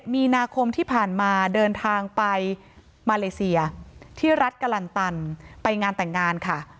มีนาคมที่ผ่านมาเดินทางไปมาเลเซียที่รัฐกะลันตันไปงานแต่งงานค่ะ